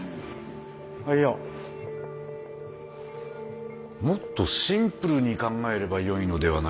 いやもっとシンプルに考えればよいのではないでしょうか。